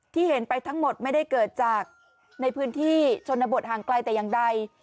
ที่เห็นไปทั้งหมดไม่ได้เกิดจากในพื้นที่ชนบทห่างไกลแต่อย่างใด